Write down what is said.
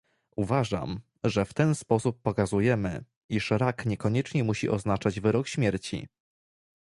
Uważam, że w ten sposób pokazujemy, iż rak niekoniecznie musi oznaczać wyrok śmierci